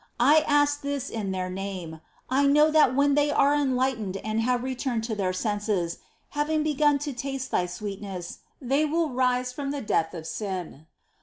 I ask this in their name : I know that when they are enlightened and have returned to their senses, having begun to taste Thy sweetness,^ they will rise from the death of sin.